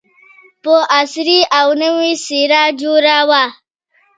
په عصري او نوې څېره جوړه وه.